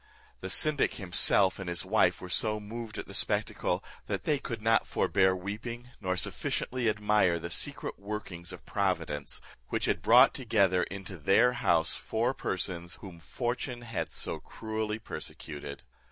The syndic himself and his wife were so moved at the spectacle, that they could not forbear weeping, nor sufficiently admire the secret workings of Providence which had brought together into their house four persons, whom fortune had so cruelly persecuted.